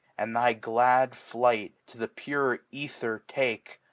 And thy glad Flight to the pure iEther take.